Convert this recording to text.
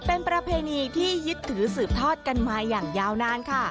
เป็นประเพณีที่ยึดถือสืบทอดกันมาอย่างยาวนานค่ะ